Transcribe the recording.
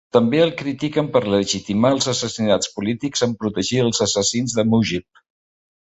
També el critiquen per legitimar els assassinats polítics en protegir als assassins de Mujib.